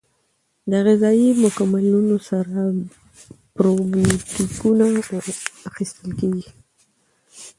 د غذایي مکملونو سره پروبیوتیکونه اخیستل کیږي.